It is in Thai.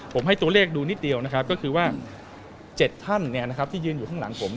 ผมให้ตัวเลขดูนิดเดียวนะครับก็คือว่า๗ท่านที่ยืนอยู่ข้างหลังผม